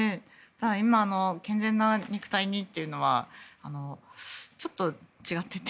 今の、健全な肉体にというのはちょっと違ってて。